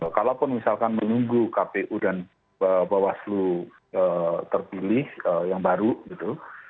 kalaupun misalkan menunggu kpu dan bawaslu terpilih yang baru gitu